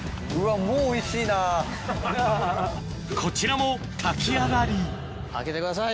こちらも炊き上がり開けてください。